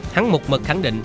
hắn mục mật khẳng định